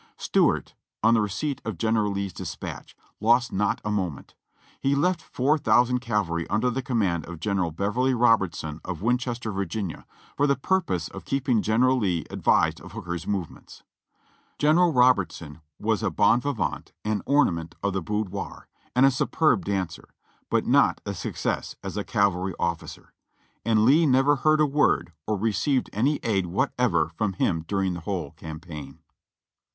Stuart, on the receipt of General Lee's dispatch, lost not a moment. He left four thousand cavalry under the command of General Beverly Robertson at Winchester, Va.. for the purpose of keeping General Lee advised of Hooker's movements. General Robertson was a bon vivant and ornament of the boudoir, and a superb dancer ; but not a success as a cavalry officer ; and Lee never heard a word or received any aid what ever from him during the whole campaign.